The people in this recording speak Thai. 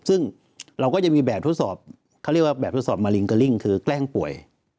ซึ่งเราก็จะมีแบบทดสอบเขาเรียกว่าแบบทดสอบมาริงเกอริ่งคือแกล้งป่วย